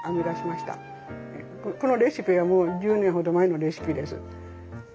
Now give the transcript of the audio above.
このレシピはもう１０年ほど前のレシピです。